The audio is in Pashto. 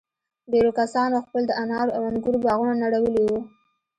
ډېرو کسانو خپل د انارو او انگورو باغونه نړولي وو.